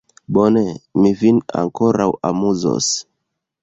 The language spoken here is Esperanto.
Bone, mi vin ankoraŭ amuzos!